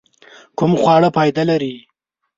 کوم خواړه فائده لري؟